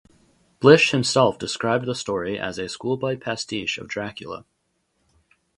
Blish himself described the story as "a schoolboy pastiche of "Dracula".